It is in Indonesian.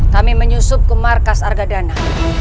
kami menyusup ke markas argadana